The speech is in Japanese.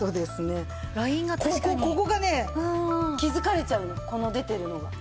ここがね気づかれちゃうのこの出てるのが。